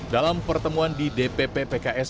dalam pertemuan di dpp pks